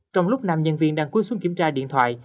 trong lúc nam nhân viên đang cúi xuống kiểm tra điện thoại